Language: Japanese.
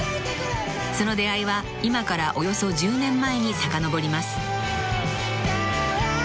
［その出会いは今からおよそ１０年前にさかのぼります］